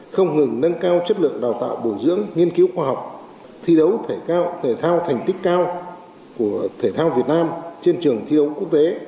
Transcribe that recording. không ngừng nâng cao chất lượng đào tạo bồi dưỡng nghiên cứu khoa học thi đấu thể thao thể thao thành tích cao của thể thao việt nam trên trường thi đấu quốc tế